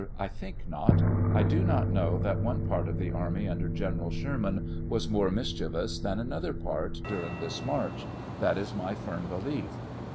I think not ; I do not know that one part of the army under General Sherman was more mischievous than another part daring this march; that is my firm belief.